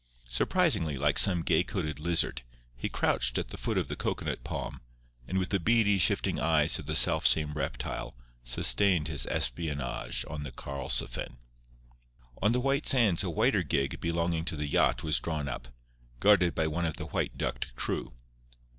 Surprisingly like some gay coated lizard, he crouched at the foot of the cocoanut palm, and with the beady, shifting eyes of the selfsame reptile, sustained his espionage on the Karlsefin. On the white sands a whiter gig belonging to the yacht was drawn up, guarded by one of the white ducked crew.